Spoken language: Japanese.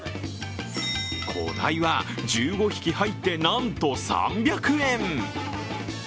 小鯛は１５匹入って、なんと３００円。